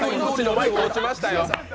マイク落ちましたよ。